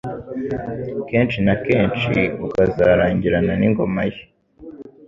kenshi na kenshi ukazarangirana n'ingoma ye.